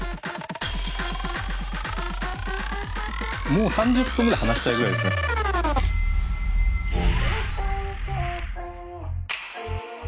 もう３０分ぐらい話したいぐらいですね。